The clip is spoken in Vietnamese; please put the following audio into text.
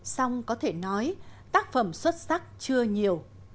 xong có thể nói tác phẩm xuất sắc chưa nhiều